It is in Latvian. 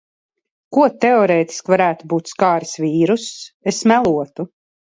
Ko teorētiski varētu būt skāris vīruss, es melotu.